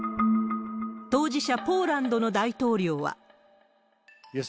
当事者、ポーランドの大統領は。